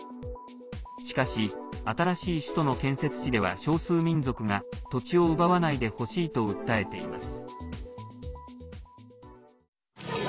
しかし、新しい首都の建設地では少数民族が土地を奪わないでほしいと訴えています。